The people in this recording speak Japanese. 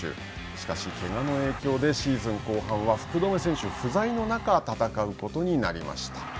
しかし、けがの影響でシーズン後半は福留選手不在の中で戦うことになりました。